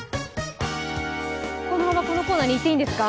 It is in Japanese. このままこのコーナーにいっていいですか。